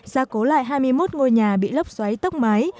ra cố lại hai mươi một ngôi nhà bị lốc xoáy tốc máy